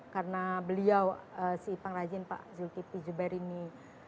karena beliau si pengrajin pak julkipli zuber ini